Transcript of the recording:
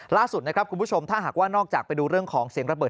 ล่าสุดนะครับคุณผู้ชมถ้าหากว่านอกจากไปดูเรื่องของเสียงระเบิ